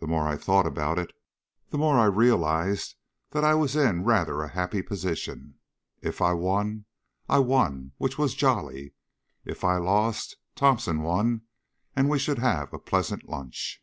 The more I thought about it, the more I realised that I was in rather a happy position. If I won, I won which was jolly; if I lost, Thomson won and we should have a pleasant lunch.